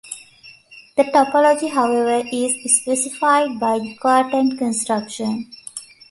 The topology, however, is specified by the quotient construction.